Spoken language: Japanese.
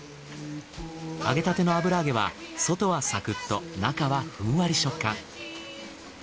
揚げたての油揚げは外はサクッと中はふんわり食感。